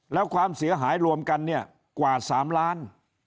แล้วความเสียหายรวมกันเนี่ยกว่า๓ล้าน